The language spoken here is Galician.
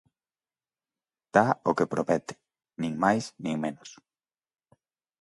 Dá o que promete, nin máis, nin menos...